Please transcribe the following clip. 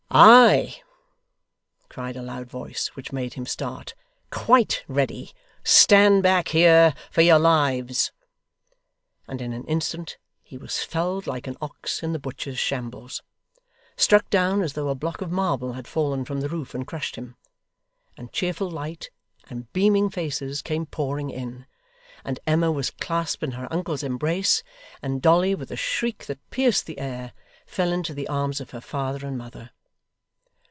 'Ay!' cried a loud voice, which made him start. 'Quite ready! Stand back here, for your lives!' And in an instant he was felled like an ox in the butcher's shambles struck down as though a block of marble had fallen from the roof and crushed him and cheerful light, and beaming faces came pouring in and Emma was clasped in her uncle's embrace, and Dolly, with a shriek that pierced the air, fell into the arms of her father and mother.